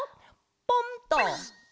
ポンっと。